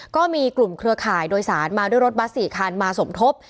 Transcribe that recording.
ก็มีกลุ่มเครือข่ายโดยสารมาด้วยรถบัส๔คันมาสมทบ